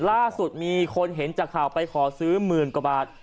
ล่าสุดมีคนเห็นจากข่าวไปขอซื้อหมื่นกว่าบาท